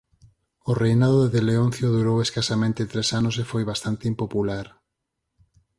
O reinado de Leoncio durou escasamente tres anos e foi bastante impopular.